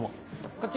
こっち